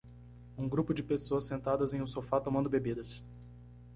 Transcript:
Um grupo de pessoas sentadas em um sofá tomando bebidas.